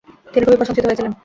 তিনি খুবই প্রশংসিত হয়েছিলেন।